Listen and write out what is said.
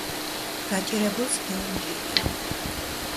გაჭირებულს გეუნჭირია